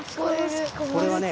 これはね